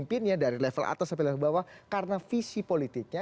dan presidennya atau pemimpinnya dari level atas sampai level bawah karena visi politiknya